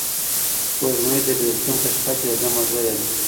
سپوږمۍ د بېلتون په شپه کې د ده ملګرې ده.